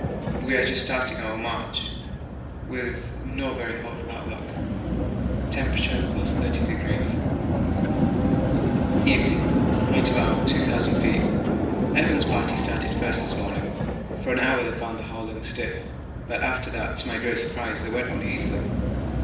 We are just starting our march with no very hopeful outlook. (T. + 13°.) Evening. (Height about 2000 feet.) Evans' party started first this morning; for an hour they found the hauling stiff, but after that, to my great surprise, they went on easily.